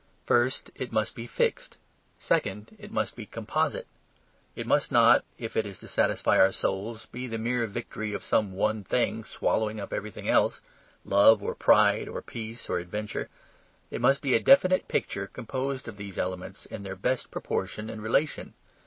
First, it must be fixed; second, it must be composite. It must not (if it is to satisfy our souls) be the mere victory of some one thing swallowing up everything else, love or pride or peace or adventure; it must be a definite picture composed of these elements in their best proportion and relation.